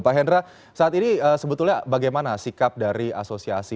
pak hendra saat ini sebetulnya bagaimana sikap dari asosiasi